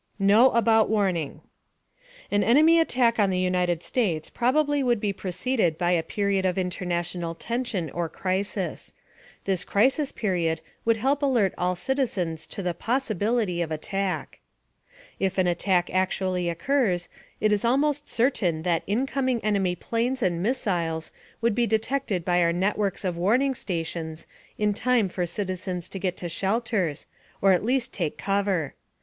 KNOW ABOUT WARNING An enemy attack on the United States probably would be preceded by a period of international tension or crisis. This crisis period would help alert all citizens to the possibility of attack. If an attack actually occurs, it is almost certain that incoming enemy planes and missiles would be detected by our networks of warning stations in time for citizens to get into shelters or at least take cover.